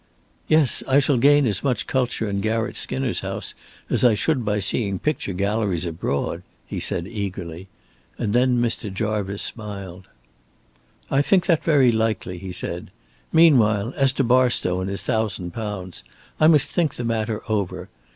"Yes, I shall gain as much culture in Garratt Skinner's house as I should by seeing picture galleries abroad," he said eagerly, and then Mr. Jarvice smiled. "I think that very likely," he said. "Meanwhile, as to Barstow and his thousand pounds. I must think the matter over.